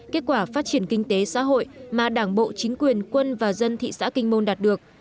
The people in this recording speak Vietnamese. kết quả phát triển kinh tế xã hội mà đảng bộ chính quyền quân và dân thị xã kinh môn đạt được